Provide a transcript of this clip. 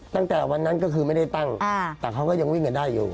ตั้งแต่วันนั้นก็คือไม่ได้ตั้งแต่เขาก็ยังวิ่งกันได้อยู่